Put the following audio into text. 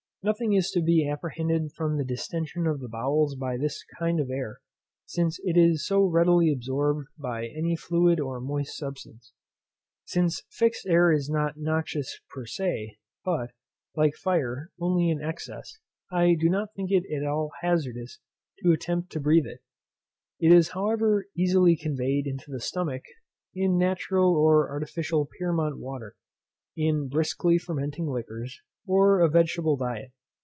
Nothing is to be apprehended from the distention of the bowels by this kind of air, since it is so readily absorbed by any fluid or moist substance. Since fixed air is not noxious per se, but, like fire, only in excess, I do not think it at all hazardous to attempt to breathe it. It is however easily conveyed into the stomach, in natural or artificial Pyrmont water, in briskly fermenting liquors, or a vegetable diet.